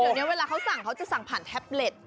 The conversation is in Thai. เดี๋ยวนี้เวลาเขาสั่งเขาจะสั่งผ่านแท็บเล็ต